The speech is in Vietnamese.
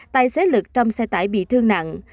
tài xế lực trong xe tải bị thương nặng